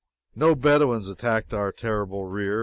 No Bedouins attacked our terrible rear.